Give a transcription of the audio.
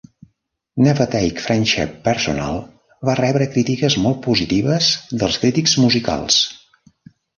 "Never Take Friendship Personal" va rebre crítiques molt positives dels crítics musicals.